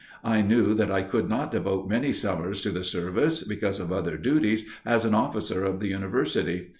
I knew that I could not devote many summers to the service because of other duties as an officer of the University.